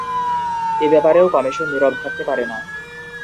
এ ব্যাপারেও কমিশন নীরব থাকতে পারে না।